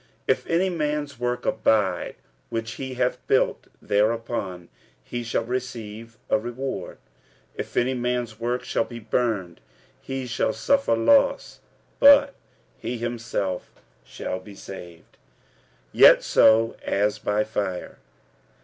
46:003:014 If any man's work abide which he hath built thereupon, he shall receive a reward. 46:003:015 If any man's work shall be burned, he shall suffer loss: but he himself shall be saved; yet so as by fire.